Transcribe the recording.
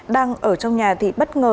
đang ở trong nhà thì bất ngờ